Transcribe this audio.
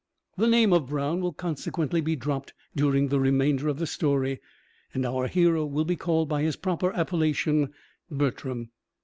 The name of Brown will consequently be dropped during the remainder of the story, and our hero will be called by his proper appellation Bertram.